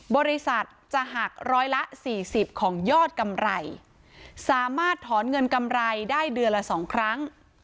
บริษัทจะหักร้อยละสี่สิบของยอดกำไรสามารถถอนเงินกำไรได้เดือนละ๒ครั้ง